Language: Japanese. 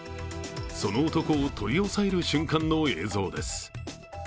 その男を取り押さえる瞬間の映像です。